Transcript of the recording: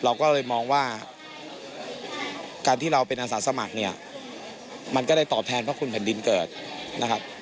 เราก็เลยมองว่าการที่เราเป็นอาสาสมัครเนี่ยมันก็ได้ตอบแทนพระคุณแผ่นดินเกิดนะครับ